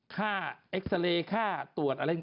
ค่าเอ็กซาเรย์ค่าตรวจอะไร